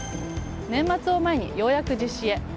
年末を前にようやく実施へ。